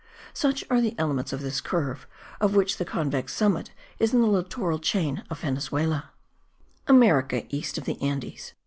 Such are the elements of this curve, of which the convex summit is in the littoral chain of Venezuela: AMERICA, EAST OF THE ANDES.